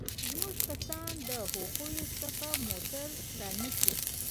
زموږ کسان له هغوى څخه موټر رانيسي.